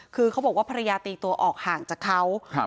คือเขาบอกว่าภรรยาตีตัวออกห่างจากเขาครับ